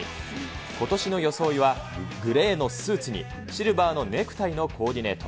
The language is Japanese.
ことしの装いは、グレーのスーツにシルバーのネクタイのコーディネート。